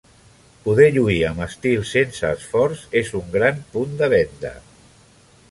Poder lluir amb estil sense esforç és un gran punt de venda.